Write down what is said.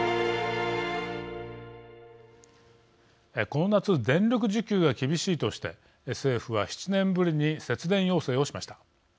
この夏電力需給が厳しいとして政府は７年ぶりに節電要請をしました。